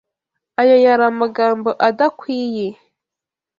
Ayo yari amagambo adakwiye.